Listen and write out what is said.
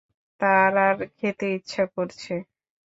তার আর খেতে ইচ্ছা করছে।